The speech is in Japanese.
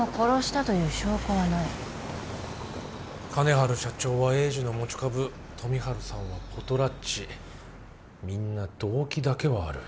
金治社長は栄治の持ち株富治さんはポトラッチみんな動機だけはある。